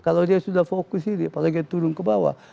kalau dia sudah fokus ini apalagi turun ke bawah